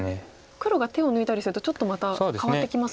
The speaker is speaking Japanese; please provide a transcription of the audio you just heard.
黒が手を抜いたりするとちょっとまた変わってきますか？